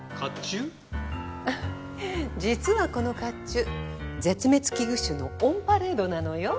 実はこの甲冑絶滅危惧種のオンパレードなのよ。